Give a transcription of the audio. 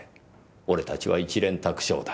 俺たちは一蓮托生だ。